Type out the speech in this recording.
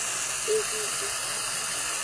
E vivi.